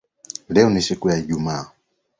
Leo ni siku ya ijumaa.